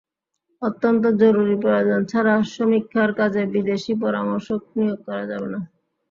অত্যন্ত জরুরি প্রয়োজন ছাড়া সমীক্ষার কাজে বিদেশি পরামর্শক নিয়োগ করা যাবে না।